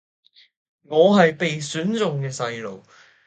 我係被選中嘅細路⠀⠀